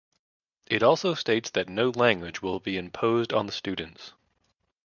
It also states that no language will be imposed on the students.